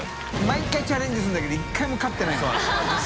莢チャレンジするんだけど１回も勝ってないんだよ。